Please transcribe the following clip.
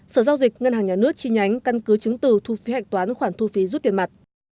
sở giao dịch ngân hàng nhà nước chi nhánh căn cứ chứng từ thu phí hạch toán khoản thu phí rút tiền mặt